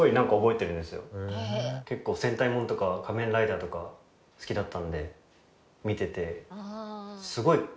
結構戦隊モノとか仮面ライダーとか好きだったので見てて。